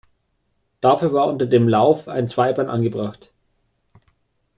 Dafür war unter dem Lauf ein Zweibein angebracht.